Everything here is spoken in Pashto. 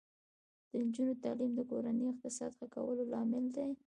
د نجونو تعلیم د کورنۍ اقتصاد ښه کولو لامل دی.